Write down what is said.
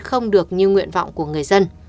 không được như nguyện vọng của người dân